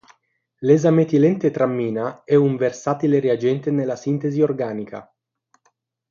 L'esametilentetrammina è un versatile reagente nella sintesi organica.